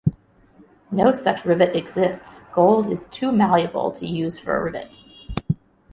No such rivet exists: gold is too malleable to use for a rivet.